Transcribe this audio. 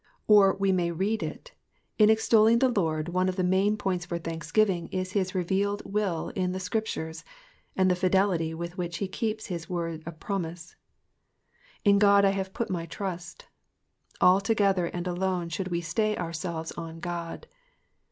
Or we may read it — in extolling the Lord one of the main points for thanksgiving is his revealed will in the Scriptures, and the fidelity with which he keeps his word of promise, "/n Ood I have put my trust,'*'* Altogether and alone should We stay ourselves on God.